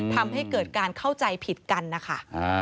ทำให้เกิดการเข้าใจผิดกันนะคะ